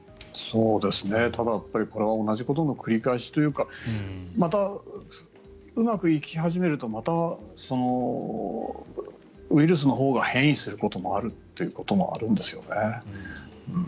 ただ、これは同じことの繰り返しというかまたうまくいき始めるとまたウイルスのほうが変異することもあるんですよね。